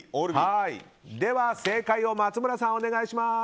では正解を松村さんお願いします。